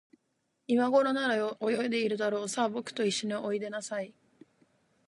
いまごろなら、泳いでいるだろう。さあ、ぼくといっしょにおいでなさい。